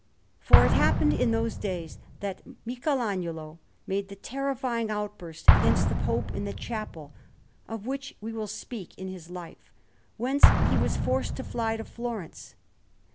For it happened in those days that Michelagnolo made the terrifying outburst against the Pope in the chapel, of which we will speak in his Life; whence he was forced to fly to Florence.